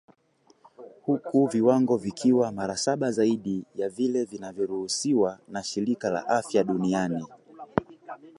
huku viwango vikiwa mara saba zaidi ya vile vinavyoruhusiwa na shirika la afya duniani